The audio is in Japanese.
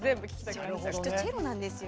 きっとチェロなんですよ。